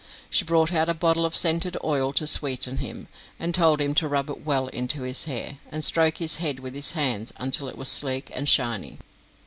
She brought out a bottle of scented oil to sweeten him, and told him to rub it well into his hair, and stroke his head with his hands until it was sleek and shiny.